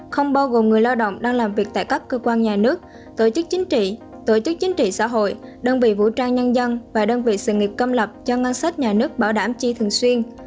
không bao gồm người lao động đang làm việc tại các cơ quan nhà nước tổ chức chính trị tổ chức chính trị xã hội đơn vị vũ trang nhân dân và đơn vị sự nghiệp công lập cho ngân sách nhà nước bảo đảm chi thường xuyên